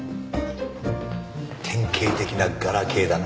典型的なガラ刑だな。